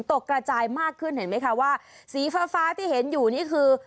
กระจายมากขึ้นเห็นไหมคะว่าสีฟ้าฟ้าที่เห็นอยู่นี่คือ